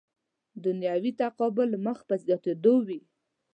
دنیوي تقابل مخ په زیاتېدو وي.